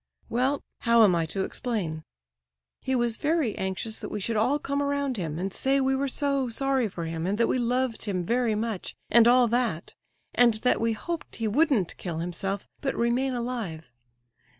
"Well—how am I to explain? He was very anxious that we should all come around him, and say we were so sorry for him, and that we loved him very much, and all that; and that we hoped he wouldn't kill himself, but remain alive.